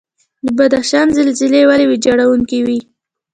د بدخشان زلزلې ولې ویجاړونکې وي؟